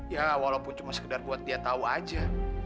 ya walaupun cuma sekedar buat dia tahu aja